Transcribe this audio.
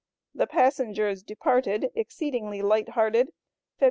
The passengers departed, exceedingly light hearted, Feb.